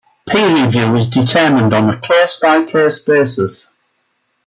Peer review is determined on a case-by-case basis.